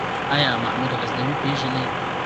آيا محمود غزنوي پېژنې ؟